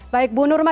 baik ibu nurma